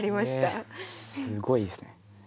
すごいですね。